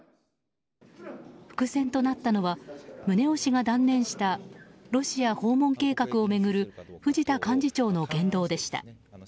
伏線となったのは宗男氏が断念したロシア訪問計画を巡る藤田幹事長の言動でした。